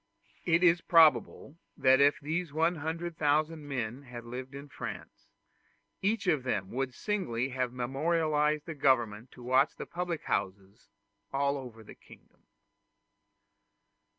It is probable that if these 100,000 men had lived in France, each of them would singly have memorialized the government to watch the public houses all over the kingdom.